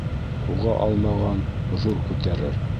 Һуға алмаған ҙур күтәрер